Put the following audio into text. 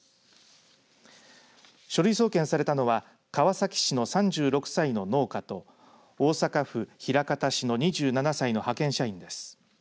書類送検されたのは川崎市の３６歳の農家と大阪府枚方市の２７歳の派遣社員です。